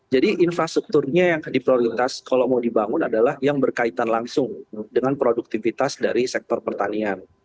infrastrukturnya yang diprioritas kalau mau dibangun adalah yang berkaitan langsung dengan produktivitas dari sektor pertanian